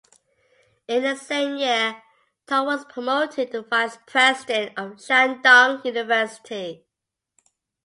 In the same year, Tong was promoted to Vice President of Shandong University.